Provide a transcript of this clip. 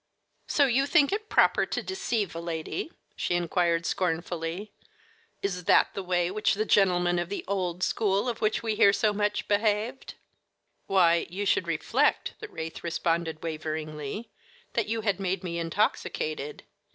"So you think it proper to deceive a lady?" she inquired scornfully. "Is that the way in which the gentlemen of the 'old school,' of which we hear so much, behaved?" "Why, you should reflect," the wraith responded waveringly, "that you had made me intoxicated."